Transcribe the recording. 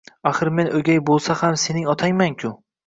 Axir men o`gay bo`lsa ham sening otangman-ku